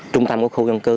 trung tâm của khu dân cư